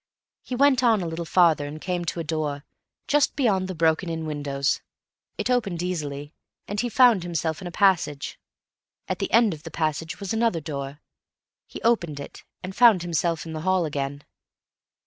He went on a little farther, and came to a door, just beyond the broken in windows. It opened easily, and he found himself in a passage. At the end of the passage was another door. He opened it and found himself in the hall again.